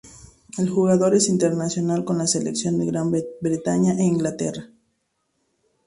El jugador es Internacional con la Selección de Gran Bretaña e Inglaterra.